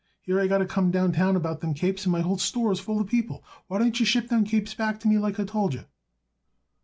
Here I got to come downtown about them capes, and my whole store's full of people. Why didn't you ship them capes back to me like I told you?"